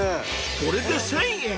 ［これで１，０００円！？